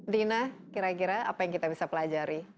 dina kira kira apa yang kita bisa pelajari